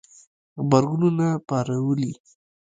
غبرګونونه پارولي